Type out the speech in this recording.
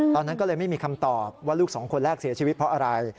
ตอนนั้นก็เลยไม่มีคำตอบว่าลูกสองคนแรกเสียชีวิตเพราะอะไร